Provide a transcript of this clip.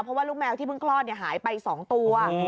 เพราะว่าลูกแมวที่เพิ่งคลอดหายไป๒ตัว